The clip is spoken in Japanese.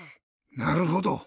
なるほど！